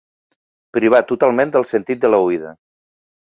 Privat totalment del sentit de l'oïda.